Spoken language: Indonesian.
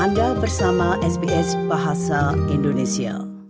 anda bersama sbs bahasa indonesia